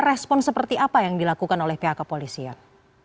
respon seperti apa yang dilakukan oleh pihak kepolisian